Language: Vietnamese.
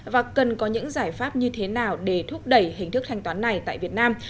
và cần có những giải pháp như thế nào để thúc đẩy hình thức thanh toán này tại việt nam